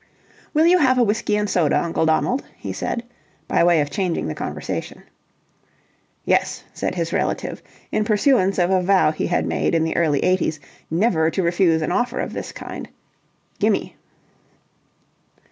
"Will you have a whisky and soda, Uncle Donald?" he said, by way of changing the conversation. "Yes," said his relative, in pursuance of a vow he had made in the early eighties never to refuse an offer of this kind. "Gimme!"